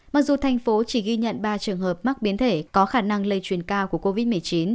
mặc dù thành phố chỉ ghi nhận ba trường hợp mắc biến thể có khả năng lây truyền cao của covid một mươi chín